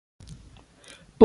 Por último llega Ntra.